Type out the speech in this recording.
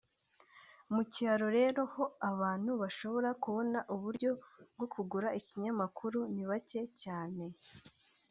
Mu cyaro rero ho abantu bashobora kubona uburyo bwo kugura ikinyamakuru ni bake cyane